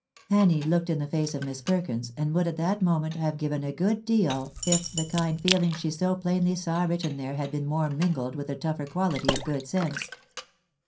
" Annie looked in the face of Miss Perkins, and would at that moment have given a good deal if the kind feelings she so plainly saw written there, had been more mingled with the tougher quahty of good sense.